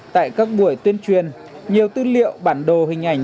tại các buổi tuyên truyền nhiều tư liệu bản đồ hình ảnh